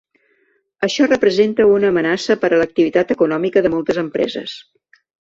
Això representa una amenaça per a l’activitat econòmica de moltes empreses.